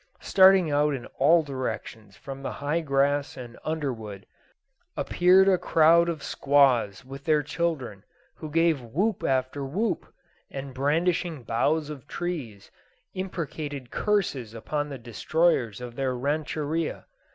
Starting out in all directions from the high grass and underwood, appeared a crowd of squaws with their children, who gave whoop after whoop, and, brandishing boughs of trees, imprecated curses upon the destroyers of their rancheria.